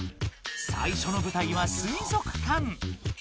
最初のぶたいは水族館。